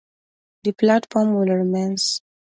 The platform still remains.